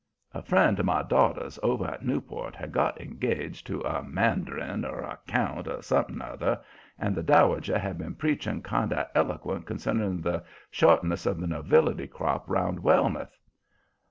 A friend of "my daughter's" over at Newport had got engaged to a mandarin or a count or something 'nother, and the Dowager had been preaching kind of eloquent concerning the shortness of the nobility crop round Wellmouth.